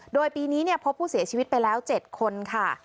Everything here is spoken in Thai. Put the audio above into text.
โดยปีนี้พบผู้เสียชีวิตไปแล้ว๗คนค่ะ